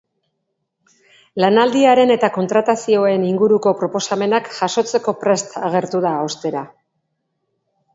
Lanaldiaren eta kontratazioen inguruko proposamenak jasotzeko prest agertu da, ostera.